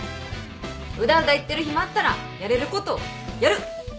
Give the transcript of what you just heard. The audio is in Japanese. うだうだ言ってる暇あったらやれることやる！